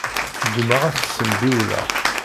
Ggumaɣ ad t-ssembiwleɣ.